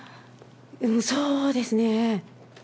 そうですね。